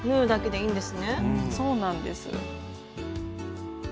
そうなんです。